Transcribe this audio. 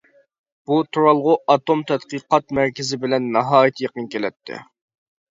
بۇ تۇرالغۇ ئاتوم تەتقىقات مەركىزى بىلەن ناھايىتى يېقىن كېلەتتى.